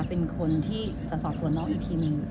เป็นคนที่จะสอบสวนน้องอีกทีนึง